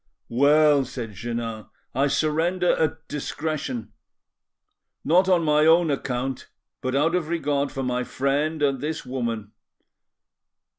"Well," said Jeannin, "I surrender at discretion—not on my own account, but out of regard for my friend and this woman.